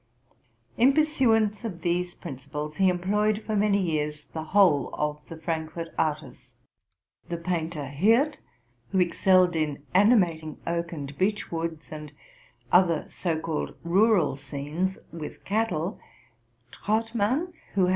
In pursuance of these principles, he employed for many years the whole of the Frankfort artists, — the painter Hirt, who excelled in animating oak and beech woods, and other so called rural scenes, with cattle ; Trautmann, who had RELATING TO MY LIFE.